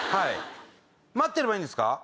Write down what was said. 待ってればいいんですか？